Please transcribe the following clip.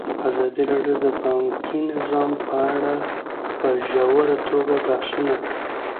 ازادي راډیو د بانکي نظام په اړه په ژوره توګه بحثونه کړي.